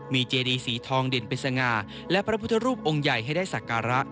มีเจดีสีทองเด่นเป็นสง่าและพระพุทธรูปองค์ใหญ่ให้ได้สักการะ